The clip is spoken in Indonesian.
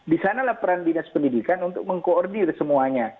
di sanalah peran dinas pendidikan untuk mengkoordir semuanya